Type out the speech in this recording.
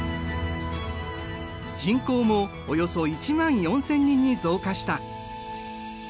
人口もおよそ１万４，０００人に増加した。